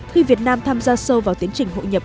khi việt nam tham gia sâu vào tiến trình hội nhập